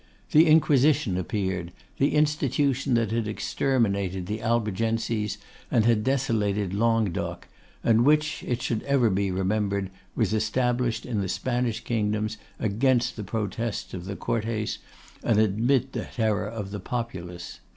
The Inquisition appeared, the Institution that had exterminated the Albigenses and had desolated Languedoc, and which, it should ever be remembered, was established in the Spanish kingdoms against the protests of the Cortes and amid the terror of the populace.